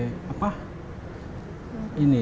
orang kok tidak melirik ini salah satu sebagai